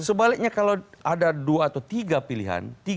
sebaliknya kalau ada dua atau tiga pilihan